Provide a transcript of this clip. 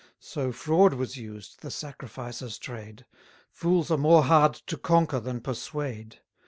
So fraud was used, the sacrificer's trade: Fools are more hard to conquer than persuade.